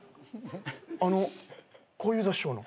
あの小遊三師匠の？